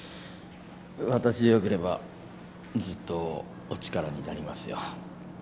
私でよければずっとお力になりますよ。